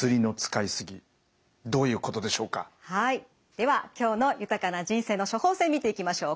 では今日の豊かな人生の処方せん見ていきましょう。